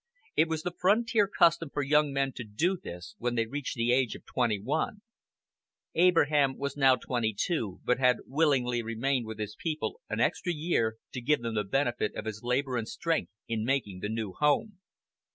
It was the frontier custom for young men to do this when they reached the age of twenty one. Abraham was now twenty two, but had willingly remained with his people an extra year to give them the benefit of his labor and strength in making the new home.